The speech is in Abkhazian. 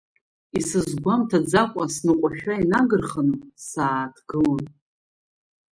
Исызгәамҭаӡакәа сныҟәашәа инагырханы, сааҭгылон.